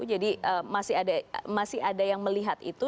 jadi masih ada yang melihat itu